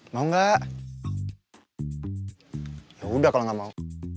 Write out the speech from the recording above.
mau gak yaudah kalau gak mau